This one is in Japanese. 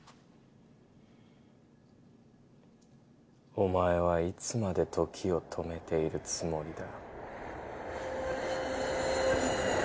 お前はいつまで時を止めているつもりだ？